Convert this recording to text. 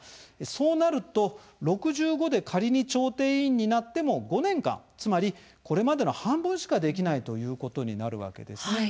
そうなると、６５で仮に調停委員になっても５年間、つまりこれまでの半分しかできないということになるわけですね。